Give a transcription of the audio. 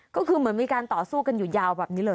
ก็คือเหมือนมีการต่อสู้กันอยู่ยาวแบบนี้เลย